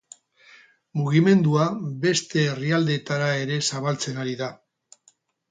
Mugimendua beste herrialdeetara ere zabaltzen ari da.